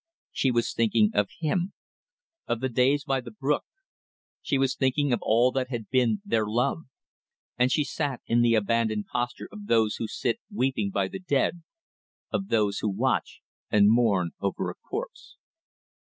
She was thinking of him; of the days by the brook; she was thinking of all that had been their love and she sat in the abandoned posture of those who sit weeping by the dead, of those who watch and mourn over a corpse.